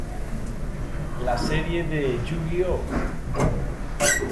La serie de "Yu-Gi-Oh!